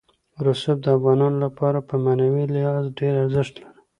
رسوب د افغانانو لپاره په معنوي لحاظ ډېر ارزښت لري.